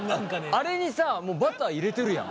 あれにさもうバター入れてるやん。